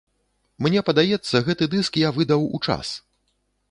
Мне падаецца, гэты дыск я выдаў у час.